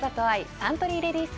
サントリーレディス